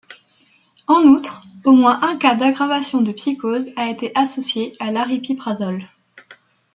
En outre, au moins un cas d’aggravation de psychose a été associé à l'aripiprazole.